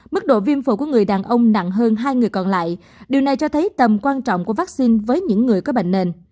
mức độ viêm phổi của người đàn ông nặng hơn hai người còn lại điều này cho thấy tầm quan trọng của vaccine với những người có bệnh nền